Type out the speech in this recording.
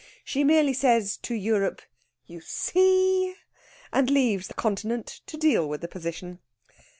She merely says to Europe, "You see," and leaves that continent to deal with the position.